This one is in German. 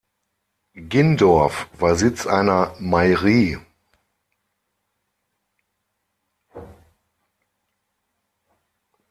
Gindorf war Sitz einer Mairie.